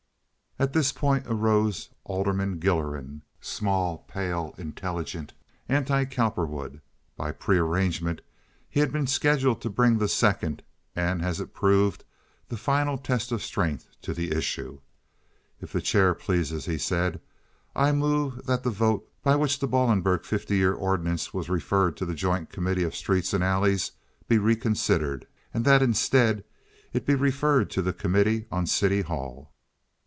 At this point arose Alderman Gilleran, small, pale, intelligent, anti Cowperwood. By prearrangement he had been scheduled to bring the second, and as it proved, the final test of strength to the issue. "If the chair pleases," he said, "I move that the vote by which the Ballenberg fifty year ordinance was referred to the joint committee of streets and alleys be reconsidered, and that instead it be referred to the committee on city hall."